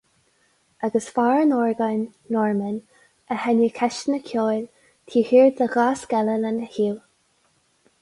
Agus fear an orgáin, Norman, a sheinneadh ceisteanna ceoil, taobh thiar de dheasc eile lena thaobh.